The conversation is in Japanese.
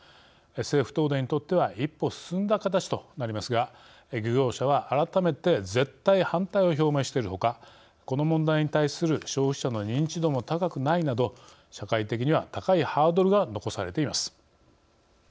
政府・東電にとっては一歩進んだ形となりますが漁業者は改めて絶対反対を表明しているほかこの問題に対する消費者の認知度も高くないなど社会的には高いハードルが残されています。